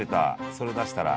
それ出したら。